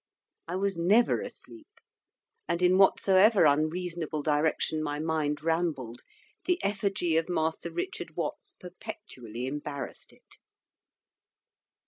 I was never asleep; and in whatsoever unreasonable direction my mind rambled, the effigy of Master Richard Watts perpetually embarrassed it.